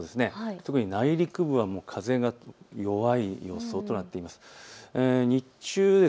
特に内陸部は風が弱い予想となっています。